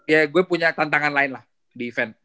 ya gue punya tantangan lain lah di indonesia